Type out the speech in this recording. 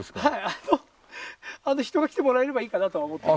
あの人が来てもらえればいいかなと思って。